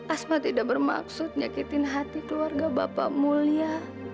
asma tidak bermaksud nyakitin hati keluarga bapak mulia